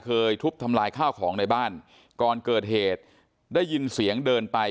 ทุบทำลายข้าวของในบ้านก่อนเกิดเหตุได้ยินเสียงเดินไป